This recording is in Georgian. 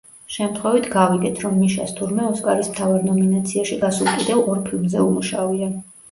შემთხვევით გავიგეთ, რომ მიშას თურმე, „ოსკარის“ მთავარ ნომინაციაში გასულ კიდევ ორ ფილმზე უმუშავია.